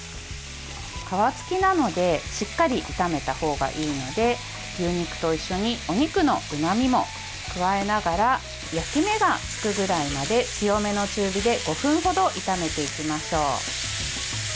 皮つきなのでしっかり炒めた方がいいので牛肉と一緒にお肉のうまみも加えながら焼き目がつくぐらいまで強めの中火で５分程炒めていきましょう。